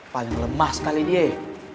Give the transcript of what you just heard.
paling lemah sekali dia ya